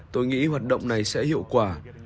tôi nghĩ hoạt động này sẽ hiệu quả